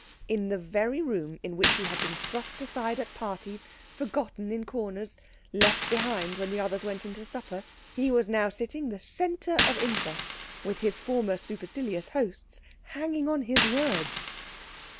In the very room in which he had been thrust aside at parties, forgotten in corners, left behind when the others went in to supper, he was now sitting the centre of interest, with his former supercilious hosts hanging on his words.